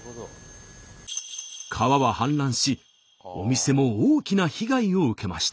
川は氾濫しお店も大きな被害を受けました。